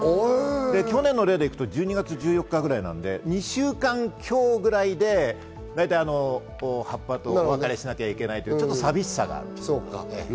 去年の例でいくと、１２月１４日くらいなので、２週間強ぐらいで葉っぱとお別れしなきゃいけないという寂しさがある。